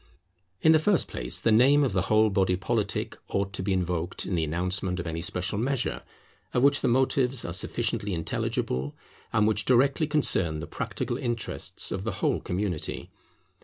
In the first place the name of the whole body politic ought to be invoked in the announcement of any special measure, of which the motives are sufficiently intelligible, and which directly concern the practical interests of the whole community.